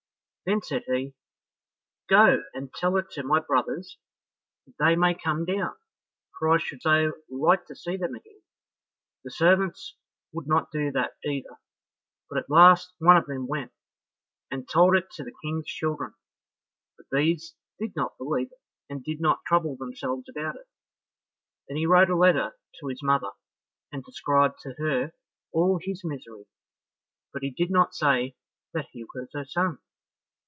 Then said he, "Go and tell it to my brothers that they may come down, for I should so like to see them again." The servants would not do that either, but at last one of them went, and told it to the King's children, but these did not believe it, and did not trouble themselves about it. Then he wrote a letter to his mother, and described to her all his misery, but he did not say that he was her son.